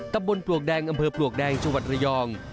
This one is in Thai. ปลวกแดงอำเภอปลวกแดงจังหวัดระยอง